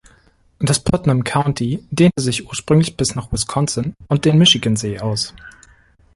Das Putnam County dehnte sich ursprünglich bis nach Wisconsin und den Michigansee aus.